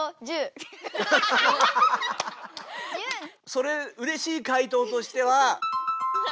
それうれしい回答としては。